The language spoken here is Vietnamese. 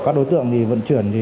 các đối tượng vận chuyển